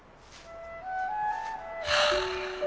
はあ。